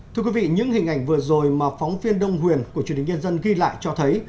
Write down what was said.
thưa quý vị những hình ảnh vừa rồi mà phóng viên đông huyền của truyền hình nhân dân ghi lại cho thấy